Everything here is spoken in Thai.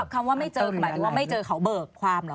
คำว่าไม่เจอคือหมายถึงว่าไม่เจอเขาเบิกความเหรอ